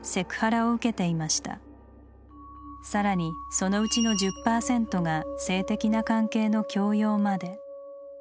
更にそのうちの１０％が性的な関係の強要まで。